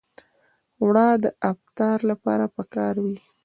اوړه د افطار لپاره پکار وي